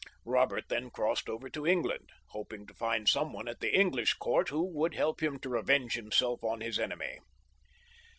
Eobert then crossed over to England, hoping to find some one at the English court who would help him to revenge himself on his enemy.